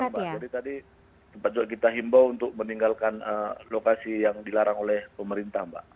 jadi tadi tempat juga kita himbau untuk meninggalkan lokasi yang dilarang oleh pemerintah mbak